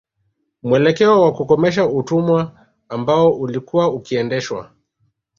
Muelekeo wa kukomesha utumwa ambao ulikuwa ukiendeshwa